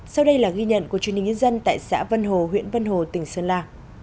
sau đây là ghi nhận của truyền hình nhân dân tại xã vân hồ huyện vân hồ tỉnh sơn la